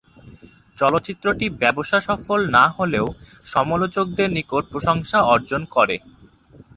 চলচ্চিত্রটি ব্যবসাসফল না হলেও সমালোচকদের নিকট প্রশংসা অর্জন করে।